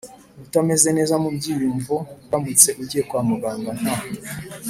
Utameze neza mu byiyumvo uramutse ugiye kwa muganga nta